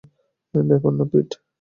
ব্যাপার না, পিট।